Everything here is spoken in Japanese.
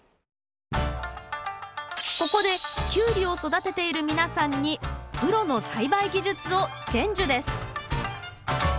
ここでキュウリを育てている皆さんにプロの栽培技術を伝授です